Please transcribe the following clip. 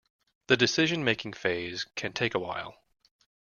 The decision-making phase can take a while.